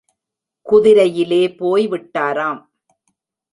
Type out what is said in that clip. குதிரையிலே போய் விட்டாராம்!